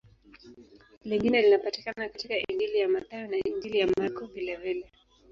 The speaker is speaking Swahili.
Lingine linapatikana katika Injili ya Mathayo na Injili ya Marko vilevile.